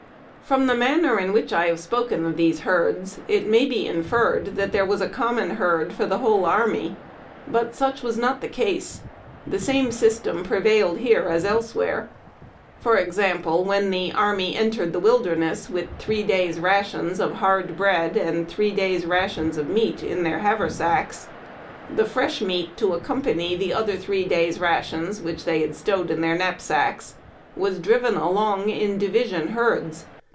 From the manner in which I have spoken of these herds, it may be inferred that there was a common herd for the whole army ; but such was not the case. The same system prevailed here as elsewhere. For example, when the army entered the Wilderness with three days' rations of hard 324 HARD TACK AND COFFEE. bread, and three days' rations of meat in their haversacks, the fresh meat to accompany the other three days' rations, which they had stowed in their knapsacks, was driven along in di vision herds.